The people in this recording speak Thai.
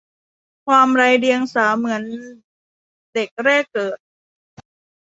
ความไร้เดียงสาเหมือนเด็กแรกเกิด